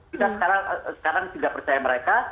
kita sekarang tidak percaya mereka